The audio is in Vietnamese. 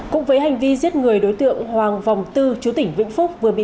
cùng với hành vi giết người đối tượng hoàng vòng tư chủ tỉnh vĩnh phúc vừa bị